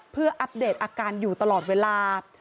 เพื่ออัปเดตอาการอยู่ตลอดเวลา